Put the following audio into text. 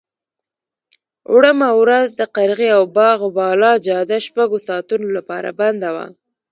وړمه ورځ د قرغې او باغ بالا جاده شپږو ساعتونو لپاره بنده وه.